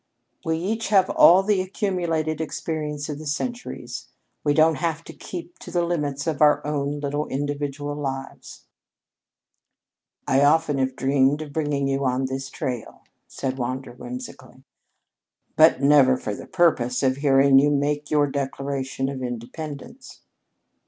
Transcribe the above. "We each have all the accumulated experience of the centuries. We don't have to keep to the limits of our own little individual lives." "I often have dreamed of bringing you up on this trail," said Wander whimsically, "but never for the purpose of hearing you make your declaration of independence."